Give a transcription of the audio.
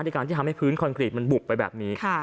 การที่ทำให้พื้นคอนกรีตมันบุบไปแบบนี้